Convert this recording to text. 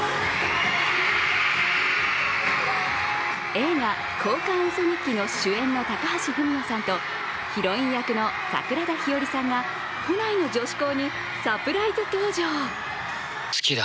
映画「交換ウソ日記」の主演の高橋文哉さんとヒロイン役の桜田ひよりさんが都内の女子校にサプライズ登場。